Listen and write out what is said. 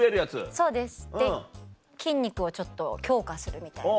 そうですで筋肉をちょっと強化するみたいな。